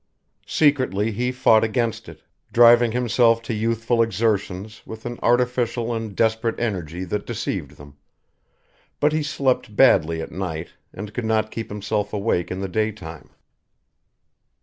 Secretly he fought against it, driving himself to youthful exertions with an artificial and desperate energy that deceived them, but he slept badly at night, and could not keep himself awake in the daytime.